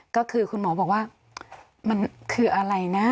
ก็คือคุณหมอบอกว่ามันคืออะไรนะ